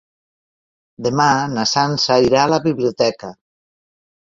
Demà na Sança irà a la biblioteca.